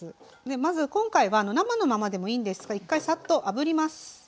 まず今回は生のままでもいいんですが１回サッとあぶります。